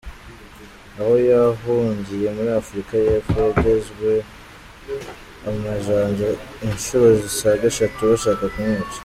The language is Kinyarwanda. Aho yahungiye muri Afurika y’Epfo, yagezwe amajanja inshuro zisaga eshatu, bashaka kumwica.